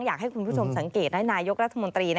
อยากให้คุณผู้ชมสังเกตนายกรัฐมนตรี